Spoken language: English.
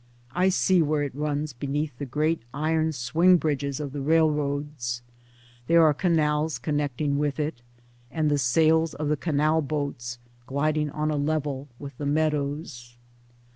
I see where it runs beneath the great iron swing bridges of railroads, there are canals con necting with it, and the sails of the canal boats gliding on a level with the meadows.